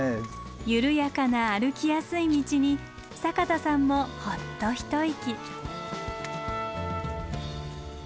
緩やかな歩きやすい道に坂田さんもほっと一息。